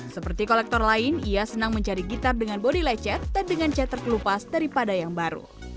seperti kolektor lain ia senang mencari gitar dengan bodi lecet dan dengan cat terkelupas daripada yang baru